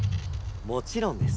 もちろんです！